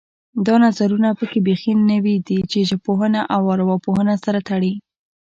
دا نظرونه پکې بیخي نوي دي چې ژبپوهنه او ارواپوهنه سره تړي